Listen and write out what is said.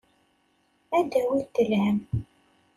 Ad d-awint lhemm.